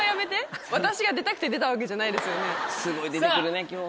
すごい出てくるね今日。